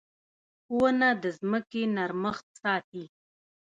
• ونه د ځمکې نرمښت ساتي.